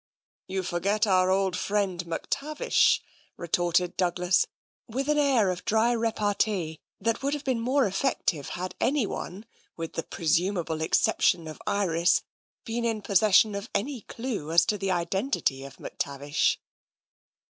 " You forget our old friend McTavish," retorted Douglas, with an air of dry repartee that would have been more effective had anyone, with the presumable exception of Iris, been in possession of any clue as to the identity of McTavish.